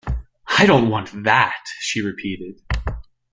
"I don't want that," she repeated.